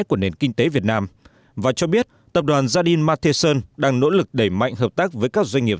của nền kinh tế việt nam và cho biết tập đoàn zari mateon đang nỗ lực đẩy mạnh hợp tác với các doanh nghiệp